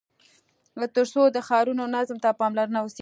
تر څو د ښارونو نظم ته پاملرنه وسي.